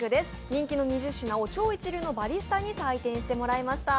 人気の２０品を超一流のバリスタに採点していただきました。